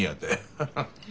ハハッ。